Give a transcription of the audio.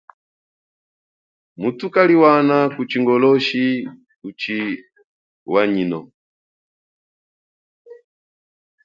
Muthu kaliwana ku chingoloshi kuchiwanyino.